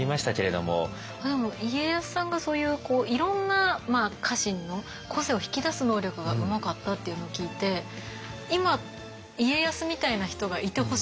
でも家康さんがそういうこういろんな家臣の個性を引き出す能力がうまかったっていうのを聞いて今家康みたいな人がいてほしいって思いました。